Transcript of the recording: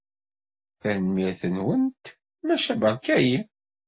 Tanemmirt-nwent, maca beṛka-iyi.